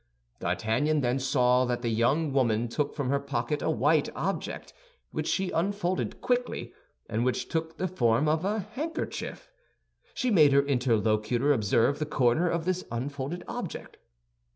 D'Artagnan then saw that the young woman took from her pocket a white object, which she unfolded quickly, and which took the form of a handkerchief. She made her interlocutor observe the corner of this unfolded object.